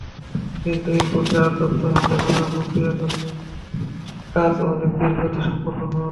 কিন্তু ইনপুট পাওয়ার তথ্য হাতে-কলমে প্রক্রিয়া করলে কাজ অনেক ধীরগতিসম্পন্ন হয়।